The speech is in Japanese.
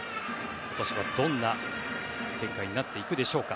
今年はどんな展開になっていくでしょうか。